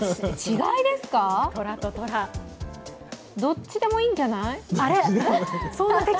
違いですか、どっちでもいいんじゃない？